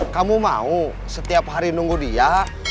kamu mau setiap hari nunggu dia